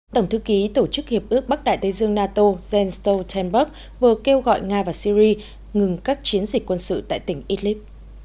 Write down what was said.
tổng thư ký tổ chức hiệp ước bắc đại tây dương nato jens stoltenberg vừa kêu gọi nga và syri ngừng các chiến dịch quân sự tại tỉnh idlib